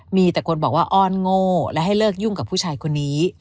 มีแต่คนบอกว่าอ้อนโง่และให้เลิกยุ่งกับผู้ชายคนนี้